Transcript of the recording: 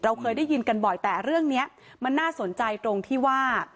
เคยได้ยินกันบ่อยแต่เรื่องนี้มันน่าสนใจตรงที่ว่า